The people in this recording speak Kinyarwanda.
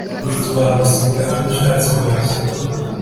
ntitwagusiga hano ushatse waza